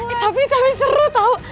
iya tapi seru tahu